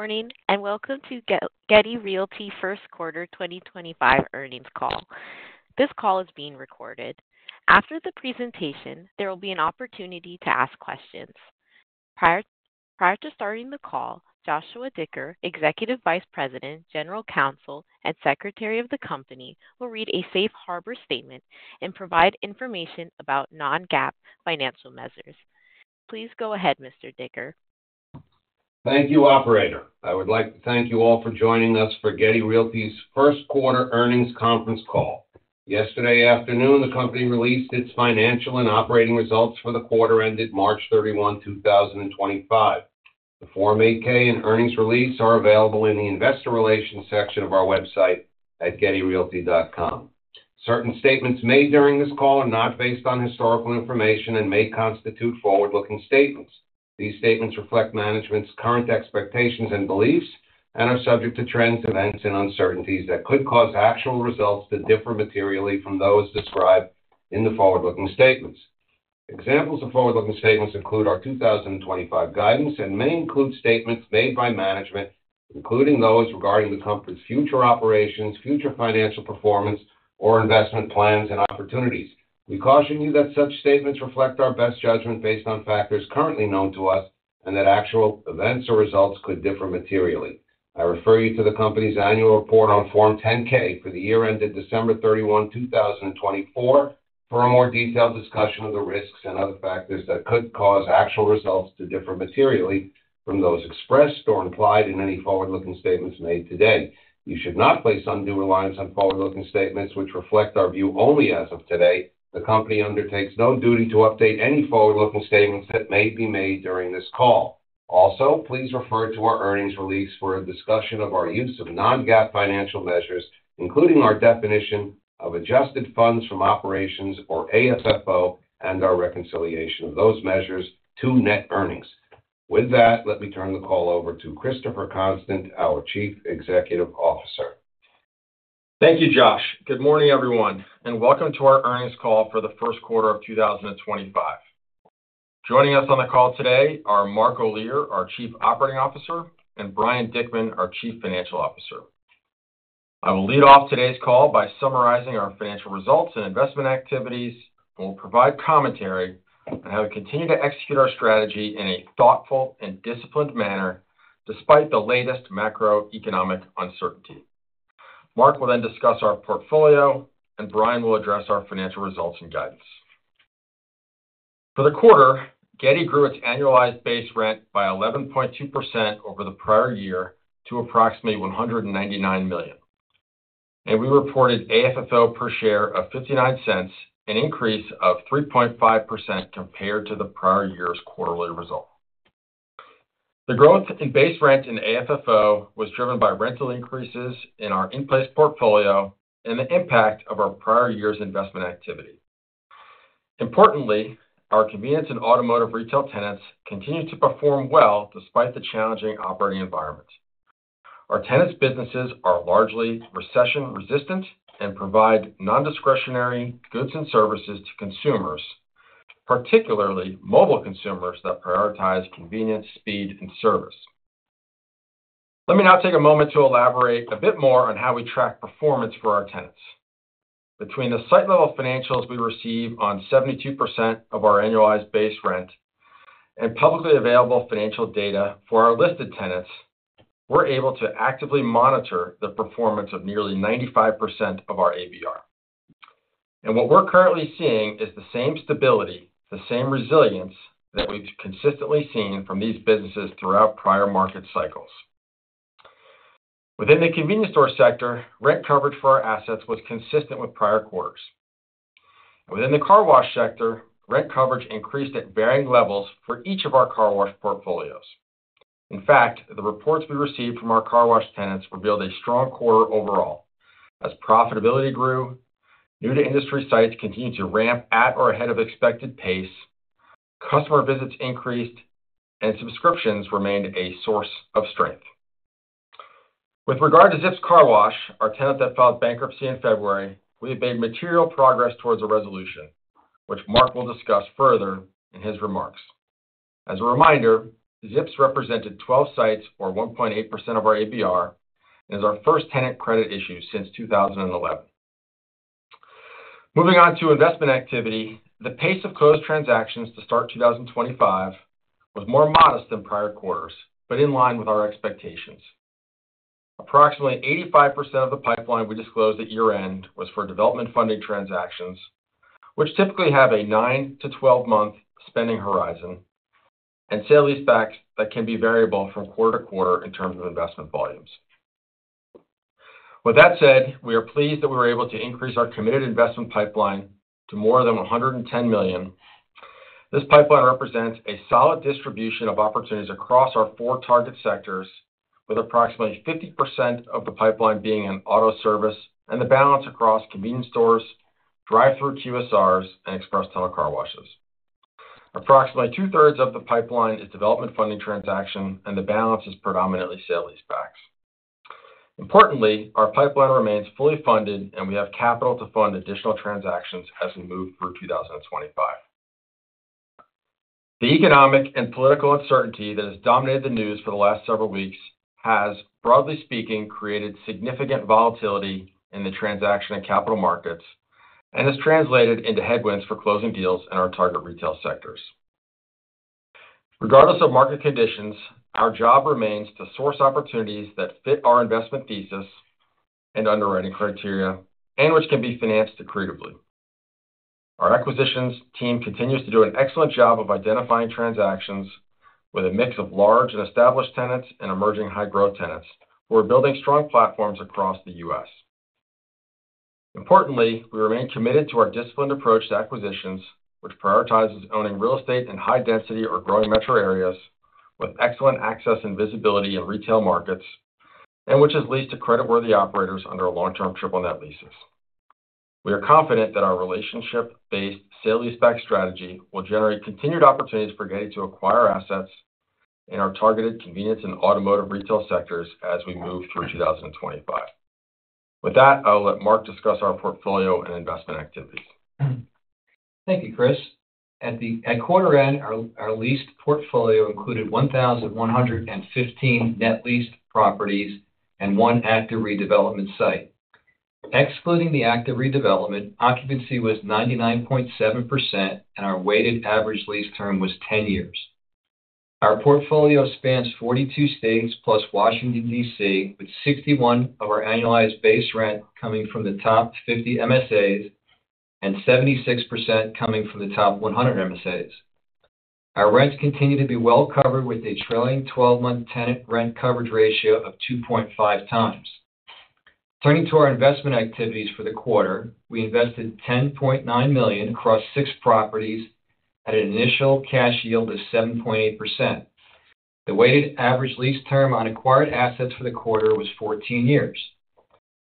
Good morning and welcome to Getty Realty first quarter 2025 earnings call. This call is being recorded. After the presentation, there will be an opportunity to ask questions. Prior to starting the call, Joshua Dicker, Executive Vice President, General Counsel, and Secretary of the company, will read a safe harbor statement and provide information about Non-GAAP financial measures. Please go ahead, Mr. Dicker. Thank you, Operator. I would like to thank you all for joining us for Getty Realty's first quarter earnings conference call. Yesterday afternoon, the company released its financial and operating results for the quarter ended March 31, 2025. The Form 8-K and earnings release are available in the investor relations section of our website at gettyrealty.com. Certain statements made during this call are not based on historical information and may constitute forward-looking statements. These statements reflect management's current expectations and beliefs and are subject to trends, events, and uncertainties that could cause actual results to differ materially from those described in the forward-looking statements. Examples of forward-looking statements include our 2025 guidance, and many include statements made by management, including those regarding the company's future operations, future financial performance, or investment plans and opportunities. We caution you that such statements reflect our best judgment based on factors currently known to us and that actual events or results could differ materially. I refer you to the company's annual report on Form 10-K for the year ended December 31, 2024, for a more detailed discussion of the risks and other factors that could cause actual results to differ materially from those expressed or implied in any forward-looking statements made today. You should not place undue reliance on forward-looking statements, which reflect our view only as of today. The company undertakes no duty to update any forward-looking statements that may be made during this call. Also, please refer to our earnings release for a discussion of our use of Non-GAAP financial measures, including our definition of adjusted funds from operations, or AFFO, and our reconciliation of those measures to net earnings. With that, let me turn the call over to Christopher Constant, our Chief Executive Officer. Thank you, Josh. Good morning, everyone, and welcome to our earnings call for the first quarter of 2025. Joining us on the call today are Mark Olear, our Chief Operating Officer, and Brian Dickman, our Chief Financial Officer. I will lead off today's call by summarizing our financial results and investment activities, and will provide commentary on how to continue to execute our strategy in a thoughtful and disciplined manner despite the latest macroeconomic uncertainty. Mark will then discuss our portfolio, and Brian will address our financial results and guidance. For the quarter, Getty grew its annualized base rent by 11.2% over the prior year to approximately $199 million, and we reported AFFO per share of $0.59, an increase of 3.5% compared to the prior year's quarterly result. The growth in base rent in AFFO was driven by rental increases in our in-place portfolio and the impact of our prior year's investment activity. Importantly, our convenience and automotive retail tenants continue to perform well despite the challenging operating environment. Our tenants' businesses are largely recession-resistant and provide nondiscretionary goods and services to consumers, particularly mobile consumers that prioritize convenience, speed, and service. Let me now take a moment to elaborate a bit more on how we track performance for our tenants. Between the site-level financials we receive on 72% of our annualized base rent and publicly available financial data for our listed tenants, we are able to actively monitor the performance of nearly 95% of our ABR. What we are currently seeing is the same stability, the same resilience that we have consistently seen from these businesses throughout prior market cycles. Within the convenience store sector, rent coverage for our assets was consistent with prior quarters. Within the car wash sector, rent coverage increased at varying levels for each of our car wash portfolios. In fact, the reports we received from our car wash tenants revealed a strong quarter overall as profitability grew, new-to-industry sites continued to ramp at or ahead of expected pace, customer visits increased, and subscriptions remained a source of strength. With regard to ZIPS Car Wash, our tenant that filed bankruptcy in February, we have made material progress towards a resolution, which Mark will discuss further in his remarks. As a reminder, ZIPS represented 12 sites, or 1.8% of our ABR, and is our first tenant credit issue since 2011. Moving on to investment activity, the pace of closed transactions to start 2025 was more modest than prior quarters, but in line with our expectations. Approximately 85% of the pipeline we disclosed at year-end was for development funding transactions, which typically have a 9-12 month spending horizon and salaries that can be variable from quarter to quarter in terms of investment volumes. With that said, we are pleased that we were able to increase our committed investment pipeline to more than $110 million. This pipeline represents a solid distribution of opportunities across our four target sectors, with approximately 50% of the pipeline being in auto service and the balance across convenience stores, drive-thru QSRs, and express tunnel car washes. Approximately two-thirds of the pipeline is development funding transactions, and the balance is predominantly sale-leaseback. Importantly, our pipeline remains fully funded, and we have capital to fund additional transactions as we move through 2025. The economic and political uncertainty that has dominated the news for the last several weeks has, broadly speaking, created significant volatility in the transaction and capital markets and has translated into headwinds for closing deals in our target retail sectors. Regardless of market conditions, our job remains to source opportunities that fit our investment thesis and underwriting criteria and which can be financed accretively. Our acquisitions team continues to do an excellent job of identifying transactions with a mix of large and established tenants and emerging high-growth tenants, who are building strong platforms across the U.S. Importantly, we remain committed to our disciplined approach to acquisitions, which prioritizes owning real estate in high-density or growing metro areas with excellent access and visibility in retail markets and which is leased to credit-worthy operators under long-term triple-net leases. We are confident that our relationship-based sale-leaseback strategy will generate continued opportunities for Getty to acquire assets in our targeted convenience and automotive retail sectors as we move through 2025. With that, I'll let Mark discuss our portfolio and investment activities. Thank you, Chris. At quarter end, our leased portfolio included 1,115 net leased properties and one active redevelopment site. Excluding the active redevelopment, occupancy was 99.7%, and our weighted average lease term was 10 years. Our portfolio spans 42 states plus Washington DC, with 61% of our annualized base rent coming from the top 50 MSAs and 76% coming from the top 100 MSAs. Our rents continue to be well covered with a trailing 12-month tenant rent coverage ratio of 2.5 times. Turning to our investment activities for the quarter, we invested $10.9 million across six properties at an initial cash yield of 7.8%. The weighted average lease term on acquired assets for the quarter was 14 years.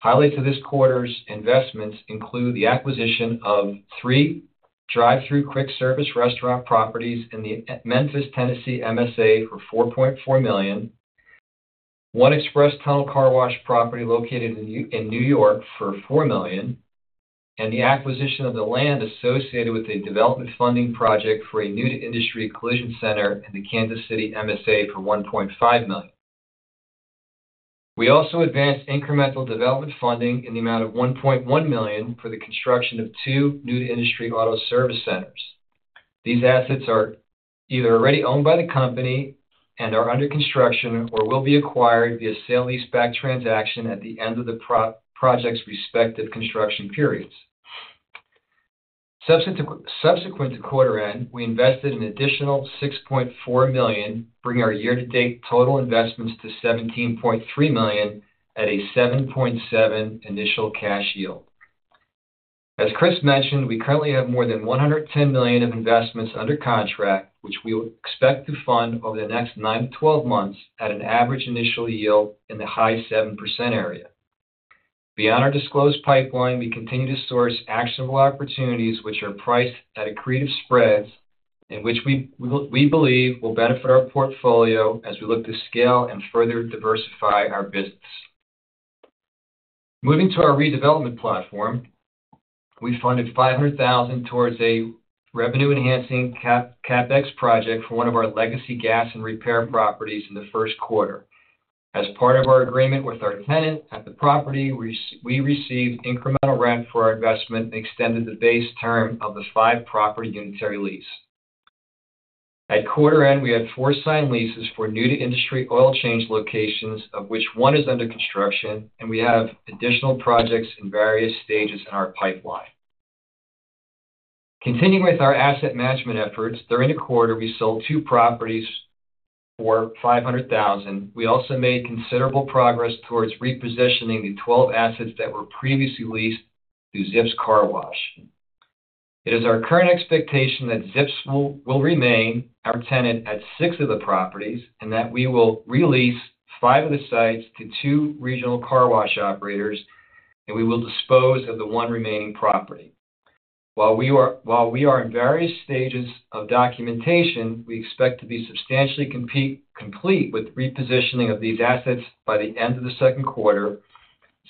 Highlights of this quarter's investments include the acquisition of three drive-thru quick service restaurant properties in the Memphis, Tennessee MSA for $4.4 million, one express tunnel car wash property located in New York for $4 million, and the acquisition of the land associated with a development funding project for a new-to-industry collision center in the Kansas City MSA for $1.5 million. We also advanced incremental development funding in the amount of $1.1 million for the construction of two new-to-industry auto service centers. These assets are either already owned by the company and are under construction or will be acquired via sale-leaseback transaction at the end of the project's respective construction periods. Subsequent to quarter end, we invested an additional $6.4 million, bringing our year-to-date total investments to $17.3 million at a 7.7% initial cash yield. As Chris mentioned, we currently have more than $110 million of investments under contract, which we expect to fund over the next 9-12 months at an average initial yield in the high 7% area. Beyond our disclosed pipeline, we continue to source actionable opportunities, which are priced at accretive spreads and which we believe will benefit our portfolio as we look to scale and further diversify our business. Moving to our redevelopment platform, we funded $500,000 towards a revenue-enhancing CapEx project for one of our legacy gas and repair properties in the first quarter. As part of our agreement with our tenant at the property, we received incremental rent for our investment and extended the base term of the five-property unitary lease. At quarter end, we have four signed leases for new-to-industry oil change locations, of which one is under construction, and we have additional projects in various stages in our pipeline. Continuing with our asset management efforts, during the quarter, we sold two properties for $500,000. We also made considerable progress towards repositioning the 12 assets that were previously leased through ZIPS Car Wash. It is our current expectation that ZIPS will remain our tenant at six of the properties and that we will release five of the sites to two regional car wash operators, and we will dispose of the one remaining property. While we are in various stages of documentation, we expect to be substantially complete with repositioning of these assets by the end of the second quarter,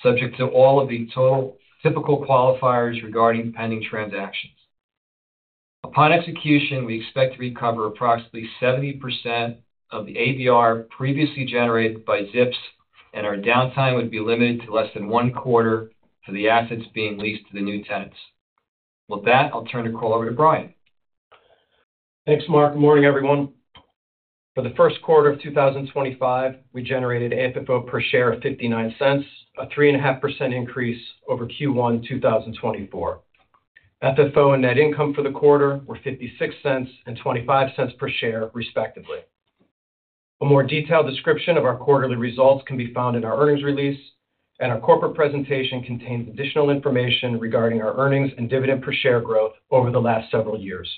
subject to all of the typical qualifiers regarding pending transactions. Upon execution, we expect to recover approximately 70% of the ABR previously generated by ZIPS, and our downtime would be limited to less than one quarter for the assets being leased to the new tenants. With that, I'll turn the call over to Brian. Thanks, Mark. Good morning, everyone. For the first quarter of 2025, we generated AFFO per share of $0.59, a 3.5% increase over Q1 2024. AFFO and net income for the quarter were $0.56 and $0.25 per share, respectively. A more detailed description of our quarterly results can be found in our earnings release, and our corporate presentation contains additional information regarding our earnings and dividend per share growth over the last several years.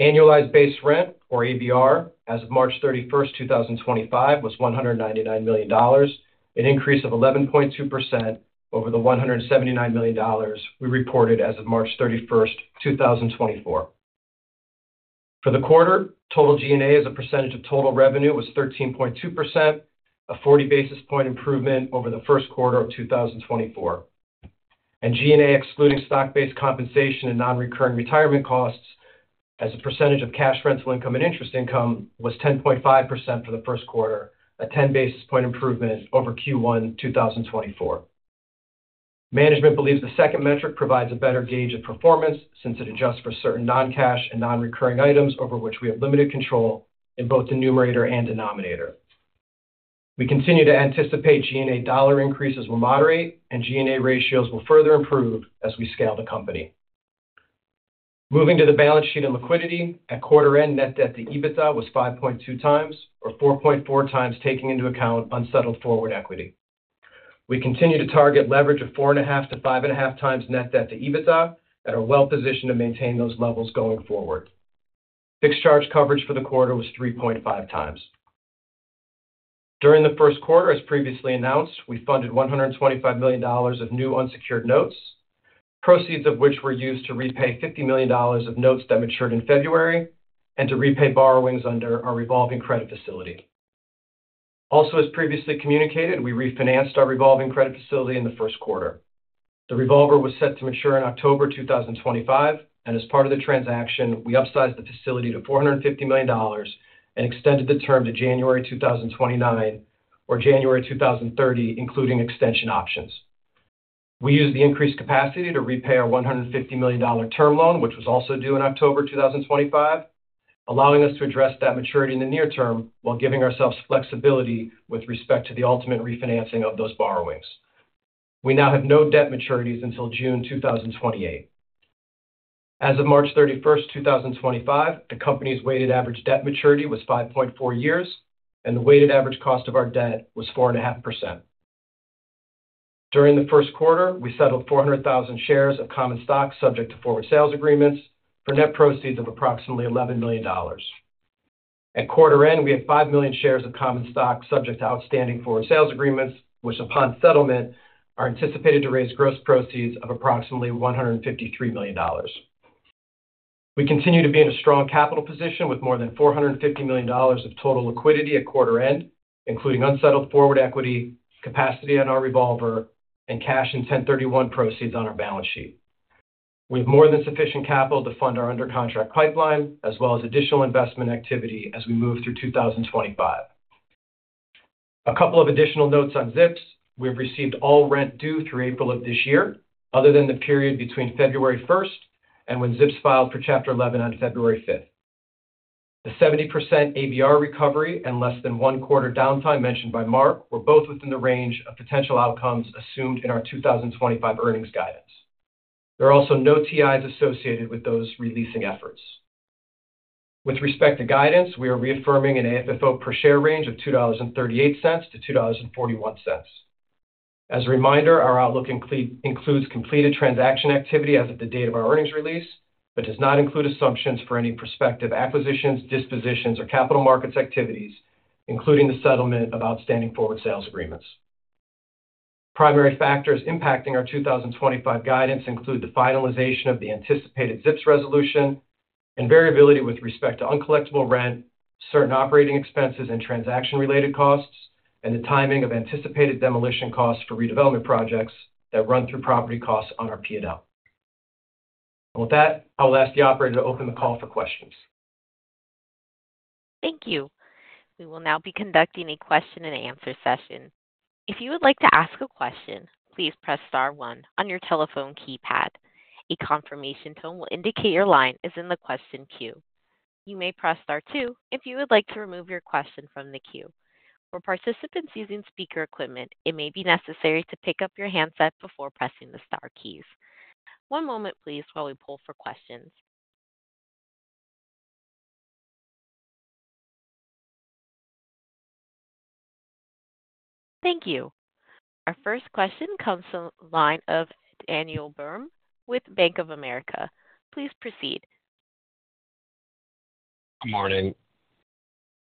Annualized base rent, or ABR, as of March 31, 2025, was $199 million, an increase of 11.2% over the $179 million we reported as of March 31, 2024. For the quarter, total G&A as a percentage of total revenue was 13.2%, a 40 basis point improvement over the first quarter of 2024. G&A excluding stock-based compensation and non-recurring retirement costs as a percentage of cash rental income and interest income was 10.5% for the first quarter, a 10 basis point improvement over Q1 2024. Management believes the second metric provides a better gauge of performance since it adjusts for certain non-cash and non-recurring items over which we have limited control in both the numerator and denominator. We continue to anticipate G&A dollar increases will moderate, and G&A ratios will further improve as we scale the company. Moving to the balance sheet and liquidity, at quarter end, net debt to EBITDA was 5.2 times, or 4.4 times taking into account unsettled forward equity. We continue to target leverage of 4.5-5.5 times net debt to EBITDA and are well positioned to maintain those levels going forward. Fixed charge coverage for the quarter was 3.5 times. During the first quarter, as previously announced, we funded $125 million of new unsecured notes, proceeds of which were used to repay $50 million of notes that matured in February and to repay borrowings under our revolving credit facility. Also, as previously communicated, we refinanced our revolving credit facility in the first quarter. The revolver was set to mature in October 2025, and as part of the transaction, we upsized the facility to $450 million and extended the term to January 2029 or January 2030, including extension options. We used the increased capacity to repay our $150 million term loan, which was also due in October 2025, allowing us to address that maturity in the near term while giving ourselves flexibility with respect to the ultimate refinancing of those borrowings. We now have no debt maturities until June 2028. As of March 31, 2025, the company's weighted average debt maturity was 5.4 years, and the weighted average cost of our debt was 4.5%. During the first quarter, we settled 400,000 shares of common stock subject to forward sales agreements for net proceeds of approximately $11 million. At quarter end, we had 5 million shares of common stock subject to outstanding forward sales agreements, which, upon settlement, are anticipated to raise gross proceeds of approximately $153 million. We continue to be in a strong capital position with more than $450 million of total liquidity at quarter end, including unsettled forward equity, capacity on our revolver, and cash in 1031 proceeds on our balance sheet. We have more than sufficient capital to fund our undercontract pipeline, as well as additional investment activity as we move through 2025. A couple of additional notes on ZIPS. We have received all rent due through April of this year, other than the period between February 1 and when ZIPS filed for Chapter 11 on February 5. The 70% ABR recovery and less than one quarter downtime mentioned by Mark were both within the range of potential outcomes assumed in our 2025 earnings guidance. There are also no TIs associated with those releasing efforts. With respect to guidance, we are reaffirming an AFFO per share range of $2.38-$2.41. As a reminder, our outlook includes completed transaction activity as of the date of our earnings release, but does not include assumptions for any prospective acquisitions, dispositions, or capital markets activities, including the settlement of outstanding forward sales agreements. Primary factors impacting our 2025 guidance include the finalization of the anticipated ZIPS resolution and variability with respect to uncollectible rent, certain operating expenses and transaction-related costs, and the timing of anticipated demolition costs for redevelopment projects that run through property costs on our P&L. With that, I will ask the operator to open the call for questions. Thank you. We will now be conducting a question-and-answer session. If you would like to ask a question, please press Star one on your telephone keypad. A confirmation tone will indicate your line is in the question queue. You may press Star two if you would like to remove your question from the queue. For participants using speaker equipment, it may be necessary to pick up your handset before pressing the Star keys. One moment, please, while we pull for questions. Thank you. Our first question comes from Line of Daniel Berm with Bank of America. Please proceed. Good morning.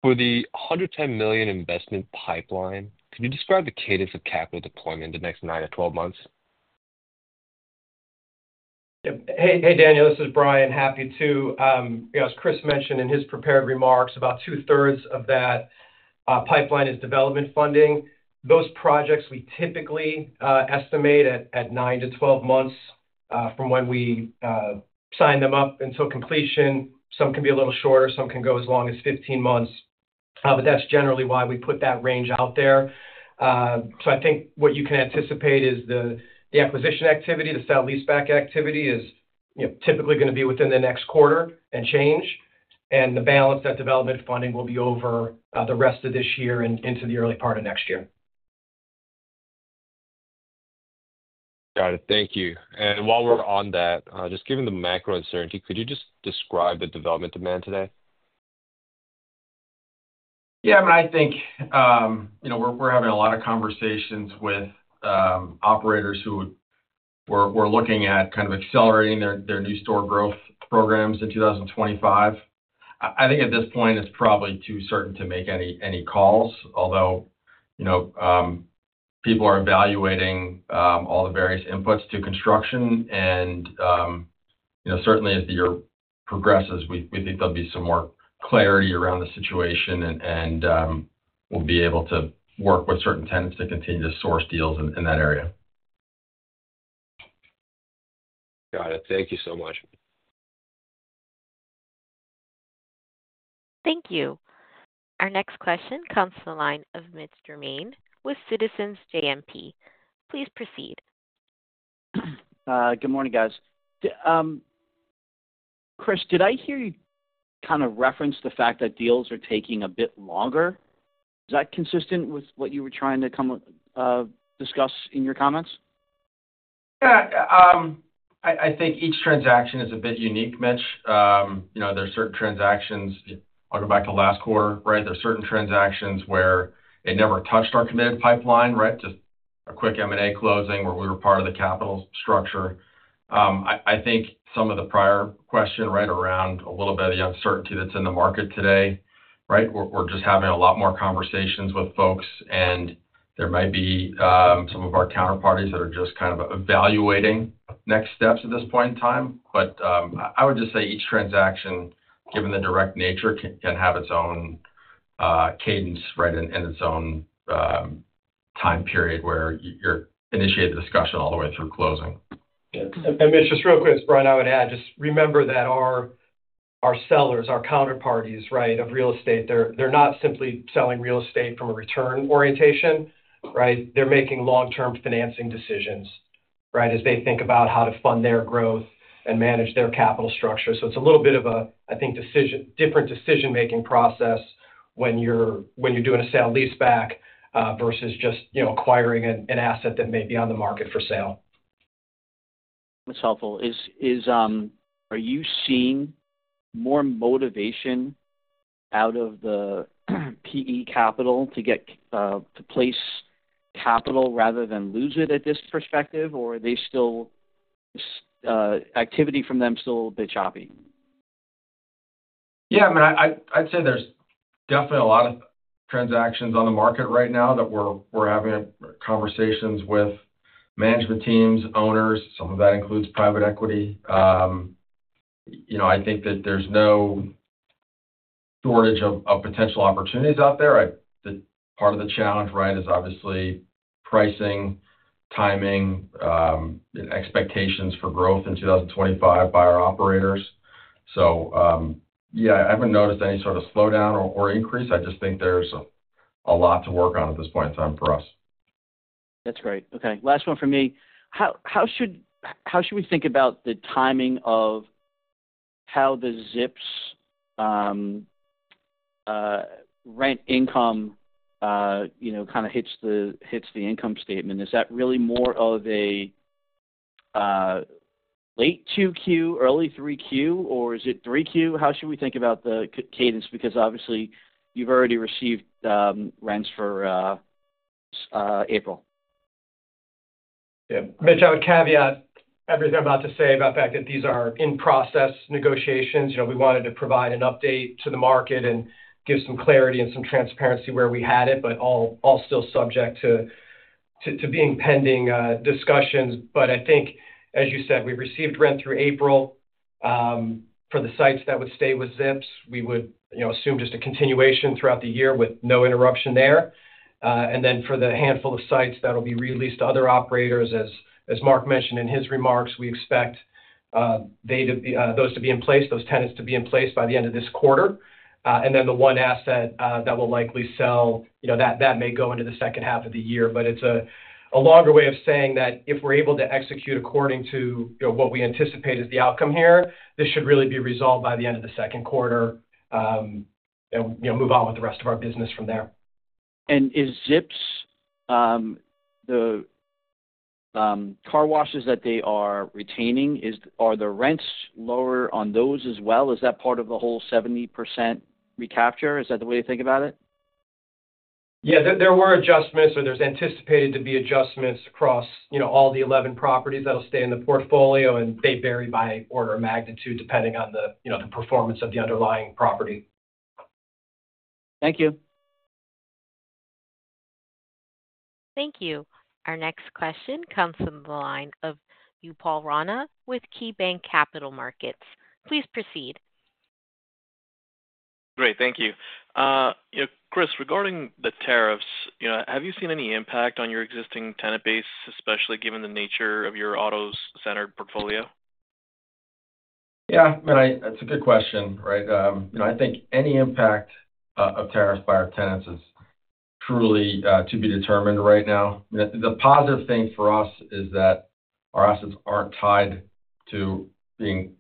For the $110 million investment pipeline, could you describe the cadence of capital deployment in the next 9-12 months? Hey, Daniel. This is Brian. Happy to. As Chris mentioned in his prepared remarks, about two-thirds of that pipeline is development funding. Those projects we typically estimate at 9-12 months from when we sign them up until completion. Some can be a little shorter. Some can go as long as 15 months. That is generally why we put that range out there. I think what you can anticipate is the acquisition activity, the sale-leaseback activity is typically going to be within the next quarter and change. The balance of that development funding will be over the rest of this year and into the early part of next year. Got it. Thank you. While we're on that, just given the macro uncertainty, could you just describe the development demand today? Yeah. I mean, I think we're having a lot of conversations with operators who were looking at kind of accelerating their new store growth programs in 2025. I think at this point, it's probably too certain to make any calls, although people are evaluating all the various inputs to construction. Certainly, as the year progresses, we think there'll be some more clarity around the situation, and we'll be able to work with certain tenants to continue to source deals in that area. Got it. Thank you so much. Thank you. Our next question comes from the line of Mitch Germain with Citizens JMP. Please proceed. Good morning, guys. Chris, did I hear you kind of reference the fact that deals are taking a bit longer? Is that consistent with what you were trying to discuss in your comments? Yeah. I think each transaction is a bit unique, Mitch. There are certain transactions—I will go back to last quarter, right? There are certain transactions where it never touched our committed pipeline, right? Just a quick M&A closing where we were part of the capital structure. I think some of the prior question right around a little bit of the uncertainty that is in the market today, right? We are just having a lot more conversations with folks, and there might be some of our counterparties that are just kind of evaluating next steps at this point in time. I would just say each transaction, given the direct nature, can have its own cadence, right, and its own time period where you initiate the discussion all the way through closing. Yeah. Mitch, just real quick, it's Brian. I would add, just remember that our sellers, our counterparties, right, of real estate, they're not simply selling real estate from a return orientation, right? They're making long-term financing decisions, right, as they think about how to fund their growth and manage their capital structure. It is a little bit of a, I think, different decision-making process when you're doing a sale-leaseback versus just acquiring an asset that may be on the market for sale. That's helpful. Are you seeing more motivation out of the PE capital to place capital rather than lose it at this perspective, or is activity from them still a bit choppy? Yeah. I mean, I'd say there's definitely a lot of transactions on the market right now that we're having conversations with management teams, owners. Some of that includes private equity. I think that there's no shortage of potential opportunities out there. Part of the challenge, right, is obviously pricing, timing, and expectations for growth in 2025 by our operators. Yeah, I haven't noticed any sort of slowdown or increase. I just think there's a lot to work on at this point in time for us. That's great. Okay. Last one for me. How should we think about the timing of how the ZIPS rent income kind of hits the income statement? Is that really more of a late 2Q, early 3Q, or is it 3Q? How should we think about the cadence? Because obviously, you've already received rents for April. Yeah. Mitch, I would caveat everything I'm about to say by the fact that these are in-process negotiations. We wanted to provide an update to the market and give some clarity and some transparency where we had it, but all still subject to being pending discussions. I think, as you said, we've received rent through April. For the sites that would stay with ZIPS, we would assume just a continuation throughout the year with no interruption there. For the handful of sites that will be released to other operators, as Mark mentioned in his remarks, we expect those tenants to be in place by the end of this quarter. The one asset that will likely sell may go into the second half of the year. It's a longer way of saying that if we're able to execute according to what we anticipate as the outcome here, this should really be resolved by the end of the second quarter and move on with the rest of our business from there. Is ZIPS, the car washes that they are retaining, are the rents lower on those as well? Is that part of the whole 70% recapture? Is that the way to think about it? Yeah. There were adjustments, or there's anticipated to be adjustments across all the 11 properties that'll stay in the portfolio, and they vary by order of magnitude depending on the performance of the underlying property. Thank you. Thank you. Our next question comes from the line of Upal Rana with KeyBanc Capital Markets. Please proceed. Great. Thank you. Chris, regarding the tariffs, have you seen any impact on your existing tenant base, especially given the nature of your auto-centered portfolio? Yeah. I mean, it's a good question, right? I think any impact of tariffs by our tenants is truly to be determined right now. The positive thing for us is that our assets aren't tied to being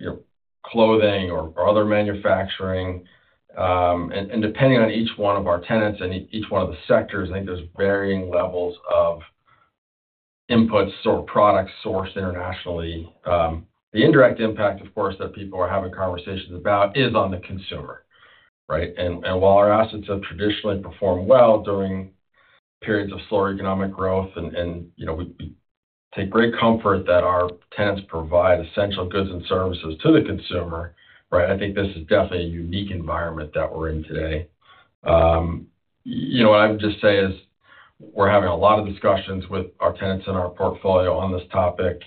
clothing or other manufacturing. And depending on each one of our tenants and each one of the sectors, I think there's varying levels of inputs or products sourced internationally. The indirect impact, of course, that people are having conversations about is on the consumer, right? While our assets have traditionally performed well during periods of slower economic growth, and we take great comfort that our tenants provide essential goods and services to the consumer, right? I think this is definitely a unique environment that we're in today. What I would just say is we're having a lot of discussions with our tenants in our portfolio on this topic.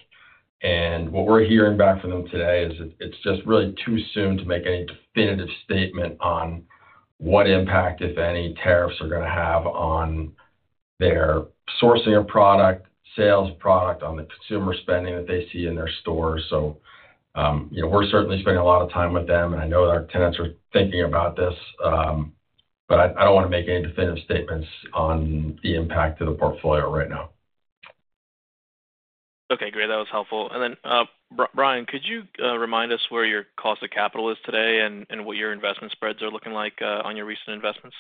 What we're hearing back from them today is it's just really too soon to make any definitive statement on what impact, if any, tariffs are going to have on their sourcing of product, sales of product, on the consumer spending that they see in their stores. We're certainly spending a lot of time with them, and I know that our tenants are thinking about this, but I don't want to make any definitive statements on the impact to the portfolio right now. Okay. Great. That was helpful. Brian, could you remind us where your cost of capital is today and what your investment spreads are looking like on your recent investments?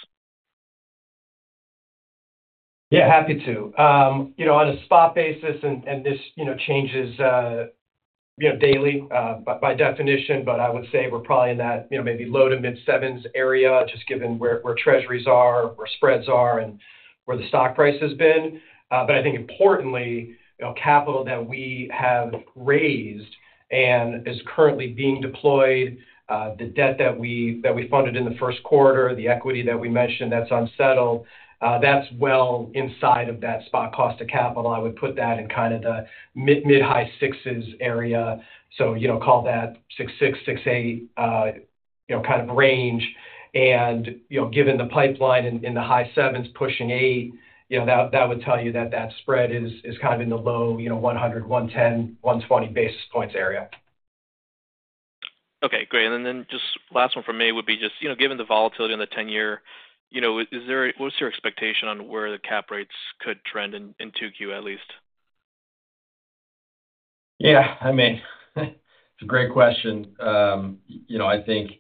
Yeah. Happy to. On a spot basis, and this changes daily by definition, but I would say we're probably in that maybe low to mid-sevens area, just given where treasuries are, where spreads are, and where the stock price has been. I think importantly, capital that we have raised and is currently being deployed, the debt that we funded in the first quarter, the equity that we mentioned that's unsettled, that's well inside of that spot cost of capital. I would put that in kind of the mid-high sixes area. Call that 6.6-6.8 kind of range. Given the pipeline in the high sevens pushing eight, that would tell you that that spread is kind of in the low 100, 110, 120 basis points area. Okay. Great. Just last one for me would be just given the volatility on the 10-year, what's your expectation on where the cap rates could trend in 2Q at least? Yeah. I mean, it's a great question. I think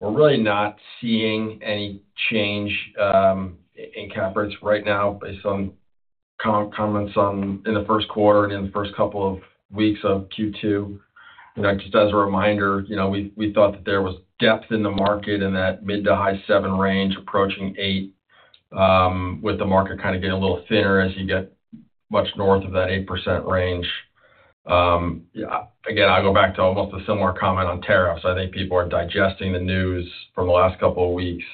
we're really not seeing any change in cap rates right now based on comments in the first quarter and in the first couple of weeks of Q2. Just as a reminder, we thought that there was depth in the market in that mid to high 7% range approaching 8%, with the market kind of getting a little thinner as you get much north of that 8% range. Again, I'll go back to almost a similar comment on tariffs. I think people are digesting the news from the last couple of weeks.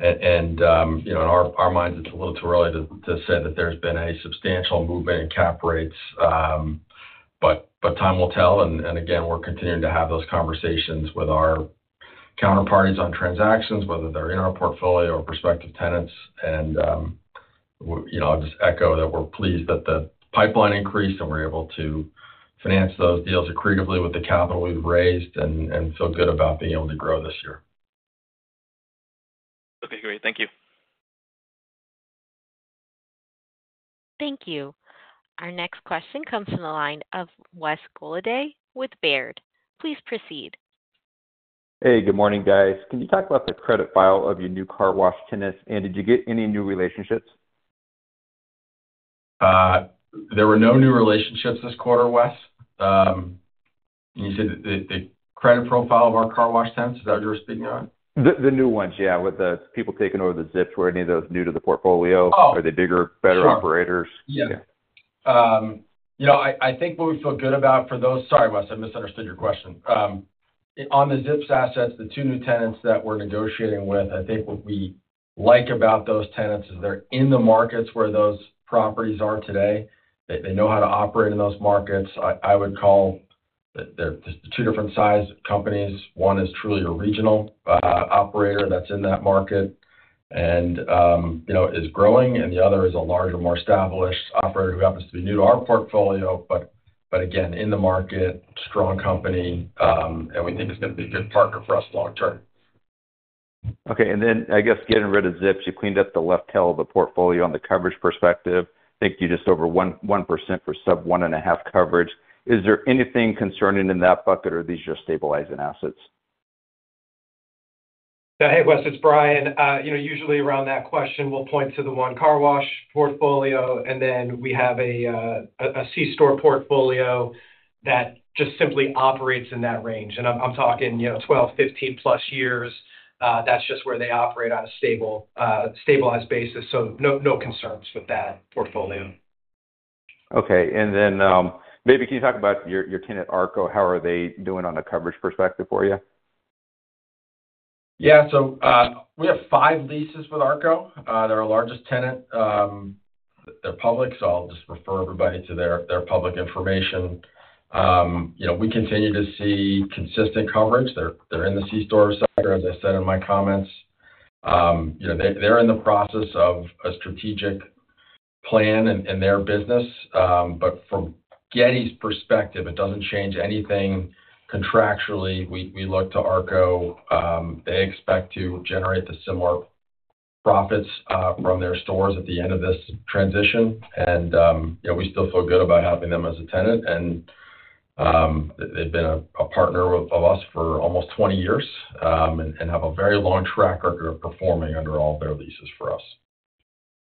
In our minds, it's a little too early to say that there's been a substantial movement in cap rates. Time will tell. Again, we're continuing to have those conversations with our counterparties on transactions, whether they're in our portfolio or prospective tenants. I will just echo that we are pleased that the pipeline increased and we are able to finance those deals accretively with the capital we have raised and feel good about being able to grow this year. Okay. Great. Thank you. Thank you. Our next question comes from the line of Wes Golladay with Baird. Please proceed. Hey, good morning, guys. Can you talk about the credit file of your new car wash tenants, and did you get any new relationships? There were no new relationships this quarter, Wes. You said the credit profile of our car wash tenants, is that what you were speaking about? The new ones, yeah, with the people taking over the ZIPS. Were any of those new to the portfolio? Are they bigger, better operators? Yeah. I think what we feel good about for those—sorry, Wes, I misunderstood your question. On the ZIPS assets, the two new tenants that we're negotiating with, I think what we like about those tenants is they're in the markets where those properties are today. They know how to operate in those markets. I would call there are two different size companies. One is truly a regional operator that's in that market and is growing, and the other is a larger, more established operator who happens to be new to our portfolio, but again, in the market, strong company, and we think it's going to be a good partner for us long-term. Okay. I guess getting rid of ZIPS, you cleaned up the left tail of the portfolio on the coverage perspective. I think you are just over 1% for sub one and a half coverage. Is there anything concerning in that bucket, or are these just stabilizing assets? Hey, Wes, it's Brian. Usually around that question, we'll point to the one car wash portfolio, and then we have a C-store portfolio that just simply operates in that range. I'm talking 12-15-plus years. That's just where they operate on a stabilized basis. No concerns with that portfolio. Okay. Maybe can you talk about your tenant ARKO? How are they doing on a coverage perspective for you? Yeah. We have five leases with ARKO. They're our largest tenant. They're public, so I'll just refer everybody to their public information. We continue to see consistent coverage. They're in the C-store sector, as I said in my comments. They're in the process of a strategic plan in their business. From Getty's perspective, it does not change anything contractually. We look to ARKO. They expect to generate similar profits from their stores at the end of this transition. We still feel good about having them as a tenant. They've been a partner of ours for almost 20 years and have a very long track record of performing under all of their leases for us.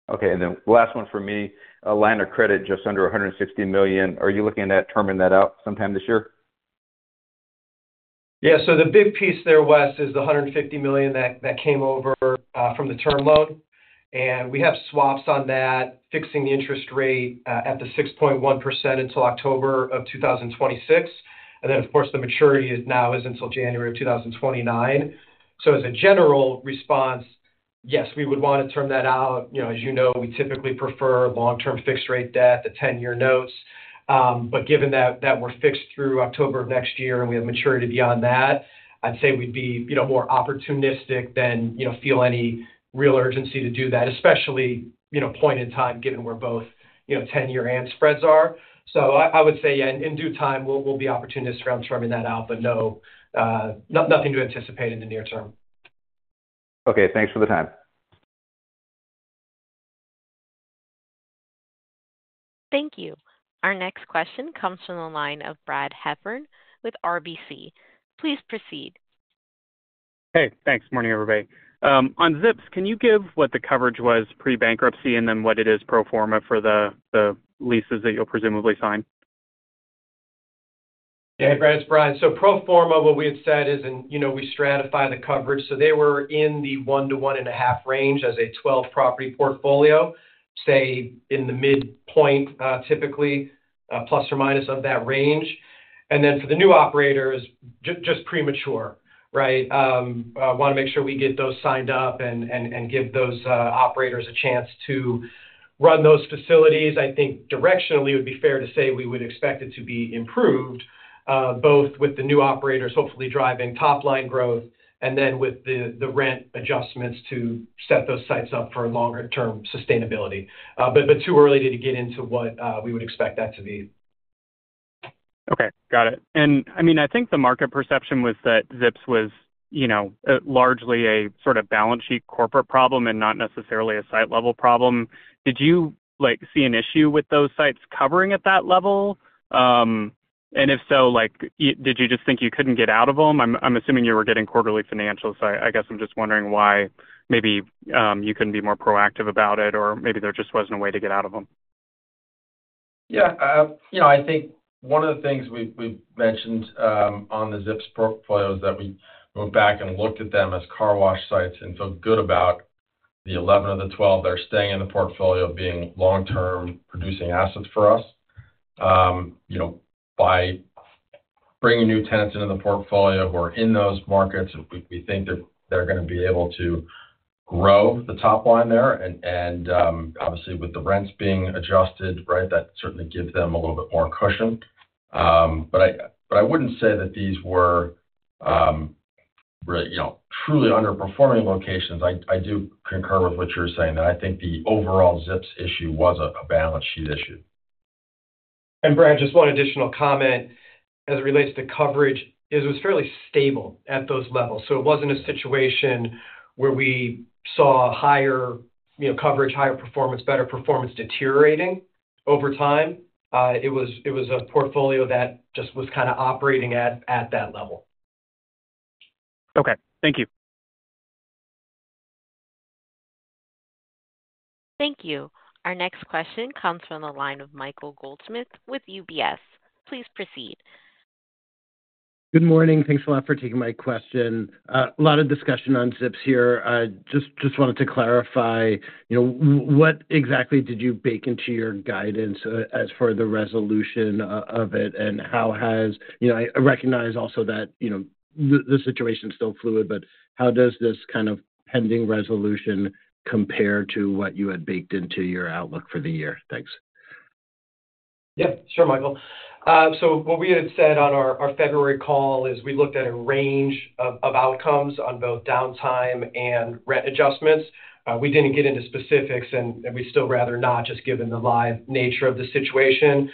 Okay. And then last one for me, line of credit, just under $150 million. Are you looking at turning that out sometime this year? Yeah. The big piece there, Wes, is the $150 million that came over from the term loan. We have swaps on that, fixing the interest rate at 6.1% until October of 2026. The maturity now is until January of 2029. As a general response, yes, we would want to turn that out. As you know, we typically prefer long-term fixed-rate debt, the 10-year notes. Given that we're fixed through October of next year and we have maturity beyond that, I'd say we'd be more opportunistic than feel any real urgency to do that, especially at this point in time given where both 10-year and spreads are. I would say, yeah, in due time, we'll be opportunistic around turning that out, but nothing to anticipate in the near term. Okay. Thanks for the time. Thank you. Our next question comes from the line of Brad Heffern with RBC. Please proceed. Hey. Thanks. Morning, everybody. On ZIPS, can you give what the coverage was pre-bankruptcy and then what it is pro forma for the leases that you'll presumably sign? Yeah. Hey, Brad. It's Brian. Pro forma, what we had said is we stratify the coverage. They were in the one to one and a half range as a 12-property portfolio, say, in the midpoint typically, plus or minus of that range. For the new operators, just premature, right? I want to make sure we get those signed up and give those operators a chance to run those facilities. I think directionally, it would be fair to say we would expect it to be improved, both with the new operators hopefully driving top-line growth and with the rent adjustments to set those sites up for longer-term sustainability. Too early to get into what we would expect that to be. Okay. Got it. I mean, I think the market perception was that ZIPS was largely a sort of balance sheet corporate problem and not necessarily a site-level problem. Did you see an issue with those sites covering at that level? If so, did you just think you couldn't get out of them? I'm assuming you were getting quarterly financials, so I guess I'm just wondering why maybe you couldn't be more proactive about it, or maybe there just wasn't a way to get out of them. Yeah. I think one of the things we've mentioned on the ZIPS portfolio is that we went back and looked at them as car wash sites and feel good about the 11 or the 12. They're staying in the portfolio being long-term producing assets for us. By bringing new tenants into the portfolio who are in those markets, we think they're going to be able to grow the top line there. Obviously, with the rents being adjusted, right, that certainly gives them a little bit more cushion. I wouldn't say that these were truly underperforming locations. I do concur with what you're saying. I think the overall ZIPS issue was a balance sheet issue. Brad, just one additional comment as it relates to coverage. It was fairly stable at those levels. It was not a situation where we saw higher coverage, higher performance, better performance deteriorating over time. It was a portfolio that just was kind of operating at that level. Okay. Thank you. Thank you. Our next question comes from the line of Michael Goldsmith with UBS. Please proceed. Good morning. Thanks a lot for taking my question. A lot of discussion on ZIPS here. Just wanted to clarify, what exactly did you bake into your guidance as for the resolution of it, and how has I recognize also that the situation is still fluid, but how does this kind of pending resolution compare to what you had baked into your outlook for the year? Thanks. Yeah. Sure, Michael. What we had said on our February call is we looked at a range of outcomes on both downtime and rent adjustments. We did not get into specifics, and we would still rather not just given the live nature of the situation.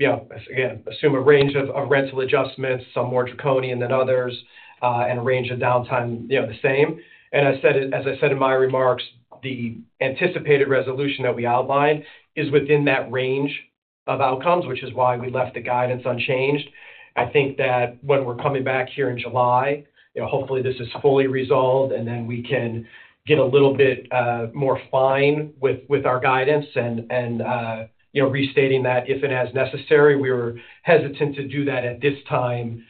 Again, assume a range of rental adjustments, some more draconian than others, and a range of downtime the same. As I said in my remarks, the anticipated resolution that we outlined is within that range of outcomes, which is why we left the guidance unchanged. I think that when we are coming back here in July, hopefully this is fully resolved, and then we can get a little bit more fine with our guidance and restating that if and as necessary. We were hesitant to do that at this time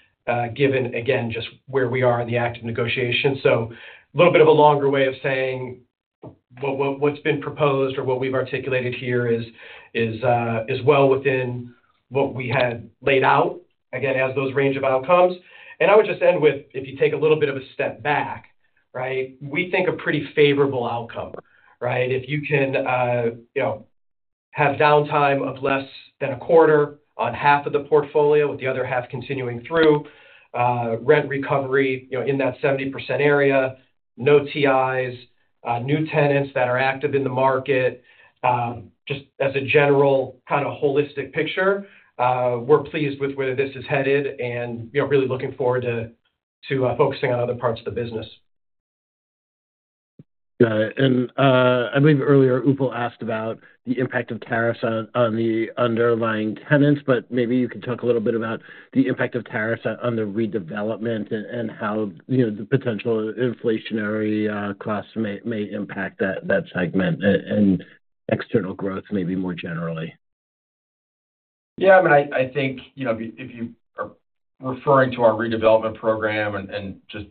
given, again, just where we are in the active negotiation. A little bit of a longer way of saying what's been proposed or what we've articulated here is well within what we had laid out, again, as those range of outcomes. I would just end with, if you take a little bit of a step back, right, we think a pretty favorable outcome, right? If you can have downtime of less than a quarter on half of the portfolio with the other half continuing through, rent recovery in that 70% area, no TIs, new tenants that are active in the market, just as a general kind of holistic picture, we're pleased with where this is headed and really looking forward to focusing on other parts of the business. Got it. I believe earlier, Upal asked about the impact of tariffs on the underlying tenants, but maybe you could talk a little bit about the impact of tariffs on the redevelopment and how the potential inflationary costs may impact that segment and external growth maybe more generally. Yeah. I mean, I think if you are referring to our redevelopment program and just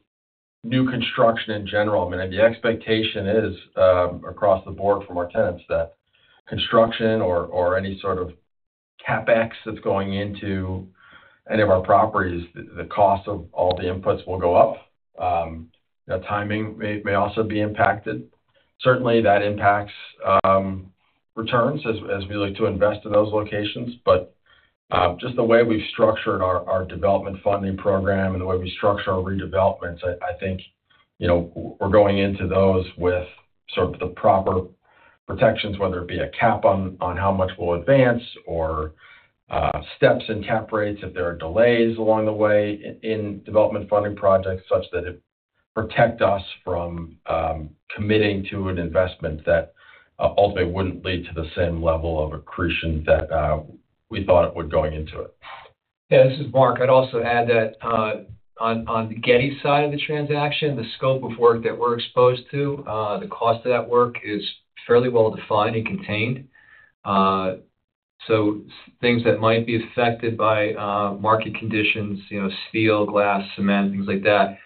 new construction in general, I mean, the expectation is across the board from our tenants that construction or any sort of CapEx that's going into any of our properties, the cost of all the inputs will go up. Timing may also be impacted. Certainly, that impacts returns as we look to invest in those locations. Just the way we've structured our development funding program and the way we structure our redevelopments, I think we're going into those with sort of the proper protections, whether it be a cap on how much we'll advance or steps in cap rates if there are delays along the way in development funding projects such that it protects us from committing to an investment that ultimately wouldn't lead to the same level of accretion that we thought it would going into it. Yeah. This is Mark. I'd also add that on the Getty side of the transaction, the scope of work that we're exposed to, the cost of that work is fairly well defined and contained. Things that might be affected by market conditions, steel, glass, cement, things like that,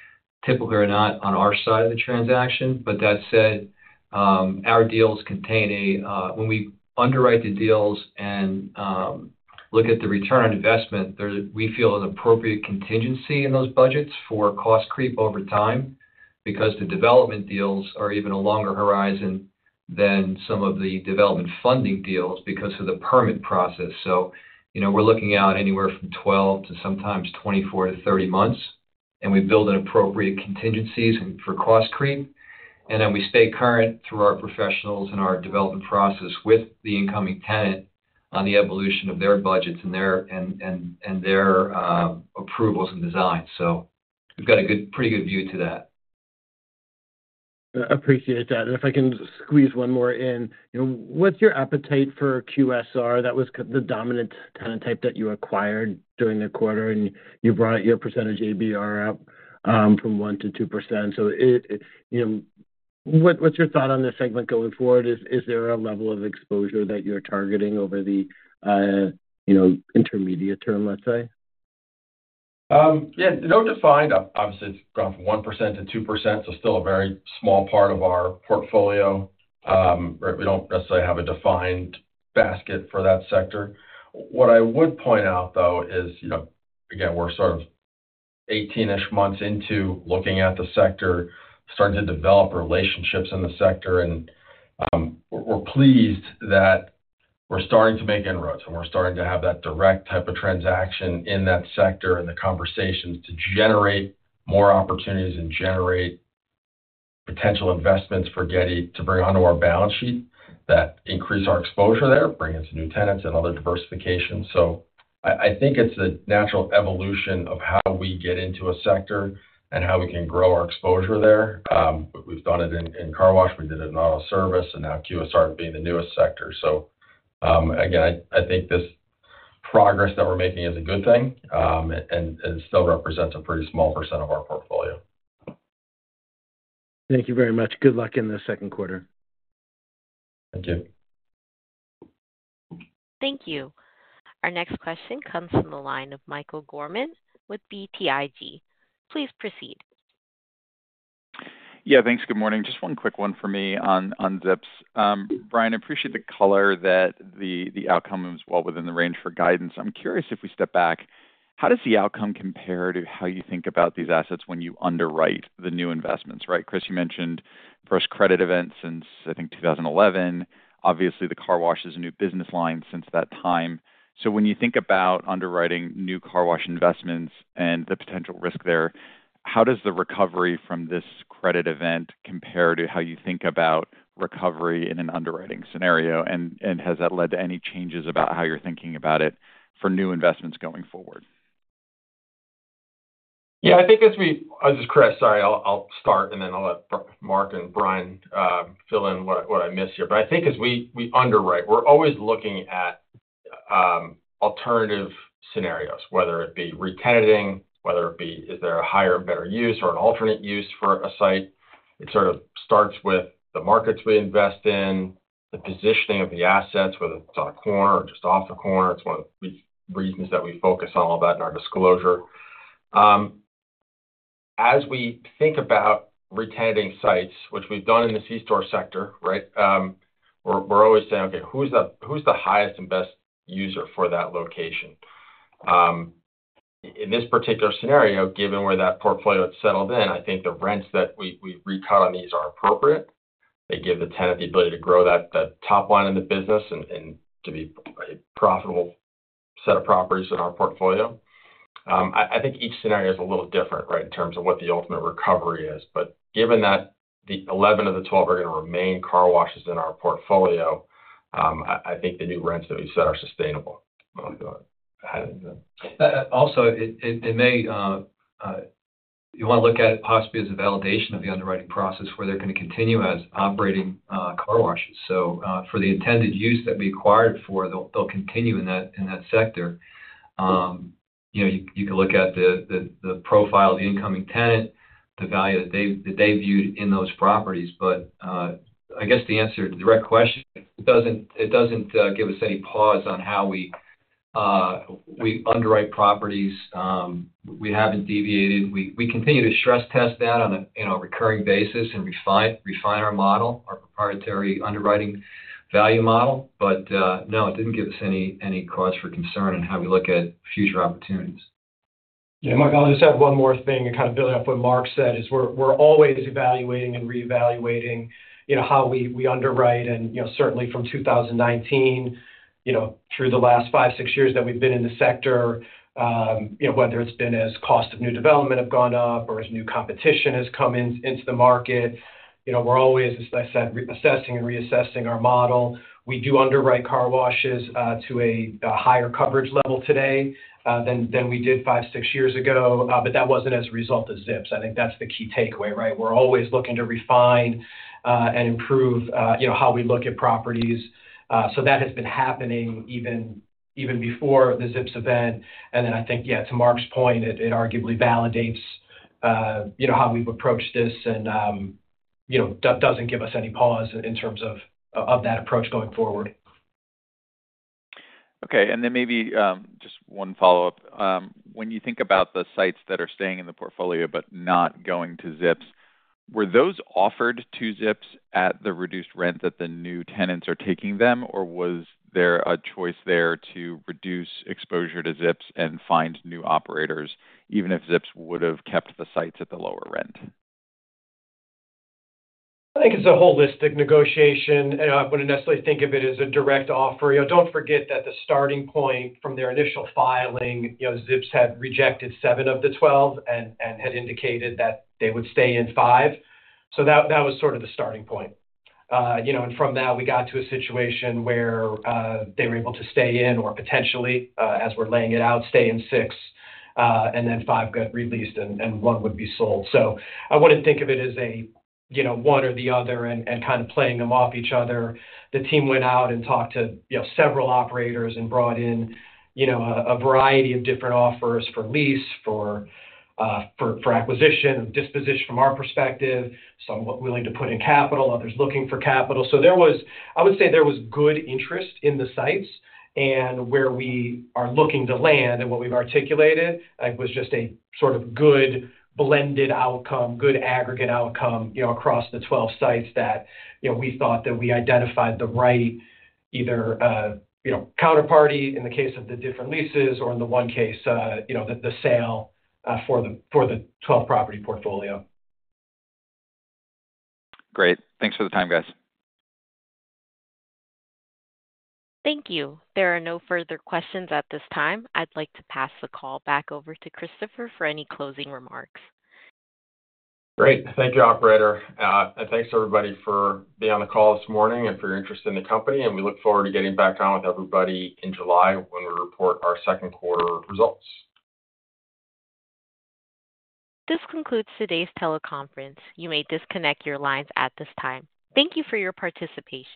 typically are not on our side of the transaction. That said, our deals contain a, when we underwrite the deals and look at the return on investment, we feel an appropriate contingency in those budgets for cost creep over time because the development deals are even a longer horizon than some of the development funding deals because of the permit process. We're looking out anywhere from 12 to sometimes 24-30 months, and we build in appropriate contingencies for cost creep. We stay current through our professionals and our development process with the incoming tenant on the evolution of their budgets and their approvals and design. We've got a pretty good view to that. I appreciate that. If I can squeeze one more in, what's your appetite for QSR? That was the dominant tenant type that you acquired during the quarter, and you brought your percentage ABR up from 1%-2%. What's your thought on the segment going forward? Is there a level of exposure that you're targeting over the intermediate term, let's say? Yeah. No, defined. Obviously, it's gone from 1%-2%, so still a very small part of our portfolio. We don't necessarily have a defined basket for that sector. What I would point out, though, is, again, we're sort of 18-ish months into looking at the sector, starting to develop relationships in the sector. We're pleased that we're starting to make inroads, and we're starting to have that direct type of transaction in that sector and the conversations to generate more opportunities and generate potential investments for Getty to bring onto our balance sheet that increase our exposure there, bring in some new tenants and other diversification. I think it's the natural evolution of how we get into a sector and how we can grow our exposure there. We've done it in car wash. We did it in auto service, and now QSR is being the newest sector. I think this progress that we're making is a good thing and still represents a pretty small % of our portfolio. Thank you very much. Good luck in the second quarter. Thank you. Thank you. Our next question comes from the line of Michael Gorman with BTIG. Please proceed. Yeah. Thanks. Good morning. Just one quick one for me on ZIPS. Brian, I appreciate the color that the outcome was well within the range for guidance. I'm curious if we step back, how does the outcome compare to how you think about these assets when you underwrite the new investments, right? Chris, you mentioned first credit events since, I think, 2011. Obviously, the car wash is a new business line since that time. When you think about underwriting new car wash investments and the potential risk there, how does the recovery from this credit event compare to how you think about recovery in an underwriting scenario? Has that led to any changes about how you're thinking about it for new investments going forward? Yeah. I think as we—this is Chris. Sorry. I'll start, and then I'll let Mark and Brian fill in what I missed here. I think as we underwrite, we're always looking at alternative scenarios, whether it be retenting, whether it be—is there a higher and better use or an alternate use for a site? It sort of starts with the markets we invest in, the positioning of the assets, whether it's on a corner or just off the corner. It's one of the reasons that we focus on all that in our disclosure. As we think about retenting sites, which we've done in the C-store sector, right, we're always saying, "Okay, who's the highest and best user for that location?" In this particular scenario, given where that portfolio had settled in, I think the rents that we recut on these are appropriate. They give the tenant the ability to grow that top line in the business and to be a profitable set of properties in our portfolio. I think each scenario is a little different, right, in terms of what the ultimate recovery is. Given that 11 of the 12 are going to remain car washes in our portfolio, I think the new rents that we set are sustainable. Also, you want to look at it possibly as a validation of the underwriting process where they're going to continue as operating car washes. For the intended use that we acquired for, they'll continue in that sector. You can look at the profile of the incoming tenant, the value that they viewed in those properties. I guess the answer to the direct question, it doesn't give us any pause on how we underwrite properties. We haven't deviated. We continue to stress test that on a recurring basis and refine our model, our proprietary underwriting value model. No, it didn't give us any cause for concern on how we look at future opportunities. Yeah. Mike, I'll just add one more thing and kind of build off what Mark said. We're always evaluating and reevaluating how we underwrite. Certainly, from 2019 through the last five, six years that we've been in the sector, whether it's been as cost of new development have gone up or as new competition has come into the market, we're always, as I said, assessing and reassessing our model. We do underwrite car washes to a higher coverage level today than we did five, six years ago, but that wasn't as a result of ZIPS. I think that's the key takeaway, right? We're always looking to refine and improve how we look at properties. That has been happening even before the ZIPS event. I think, yeah, to Mark's point, it arguably validates how we've approached this and doesn't give us any pause in terms of that approach going forward. Okay. Maybe just one follow-up. When you think about the sites that are staying in the portfolio but not going to ZIPS, were those offered to ZIPS at the reduced rent that the new tenants are taking them, or was there a choice there to reduce exposure to ZIPS and find new operators, even if ZIPS would have kept the sites at the lower rent? I think it's a holistic negotiation. I wouldn't necessarily think of it as a direct offer. Don't forget that the starting point from their initial filing, ZIPS had rejected 7 of the 12 and had indicated that they would stay in 5. That was sort of the starting point. From that, we got to a situation where they were able to stay in or potentially, as we're laying it out, stay in 6, and then 5 got released and 1 would be sold. I wouldn't think of it as one or the other and kind of playing them off each other. The team went out and talked to several operators and brought in a variety of different offers for lease, for acquisition, disposition from our perspective, some willing to put in capital, others looking for capital. I would say there was good interest in the sites. Where we are looking to land and what we've articulated, it was just a sort of good blended outcome, good aggregate outcome across the 12 sites that we thought that we identified the right either counterparty in the case of the different leases or in the one case, the sale for the 12-property portfolio. Great. Thanks for the time, guys. Thank you. There are no further questions at this time. I'd like to pass the call back over to Christopher for any closing remarks. Great. Thank you, operator. Thank you to everybody for being on the call this morning and for your interest in the company. We look forward to getting back on with everybody in July when we report our second quarter results. This concludes today's teleconference. You may disconnect your lines at this time. Thank you for your participation.